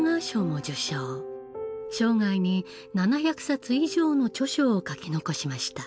生涯に７００冊以上の著書を書き残しました。